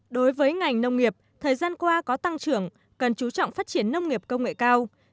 đối với ngành nông nghiệp thời gian qua có tăng trưởng cần chú trọng phát triển nông nghiệp công nghệ cao